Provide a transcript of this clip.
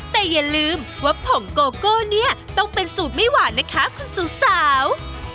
แต่อย่าลืมว่าผงโกโก้เนี่ยต้องเป็นสูตรไม่หวานนะคะคุณสาว